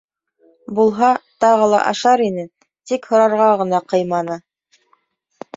Булһа, тағы ла ашар ине, тик һорарға ғына ҡыйманы.